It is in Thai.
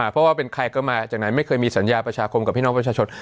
เพราะว่าเป็นใครก็มาจากไหนไม่เคยมีสัญญาประชาคมกับพี่น้องประชาชน